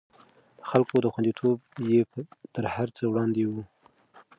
د خلکو خونديتوب يې تر هر څه وړاندې و.